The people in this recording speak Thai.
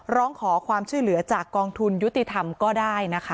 ร้องขอความช่วยเหลือจากกองทุนยุติธรรมก็ได้นะคะ